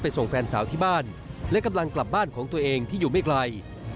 ส่งแฟนสาวที่บ้านและกำลังกลับบ้านของตัวเองที่อยู่ไม่ไกล